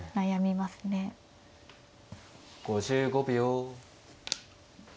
５５秒。